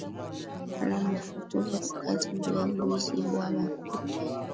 Bana mu fukuza ku kazi juya bwizi bwa makuta